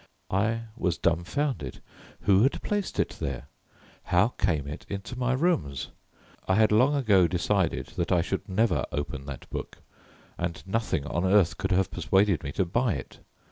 _" I was dumfounded. Who had placed it there? How came it in my rooms? I had long ago decided that I should never open that book, and nothing on earth could have persuaded me to buy it.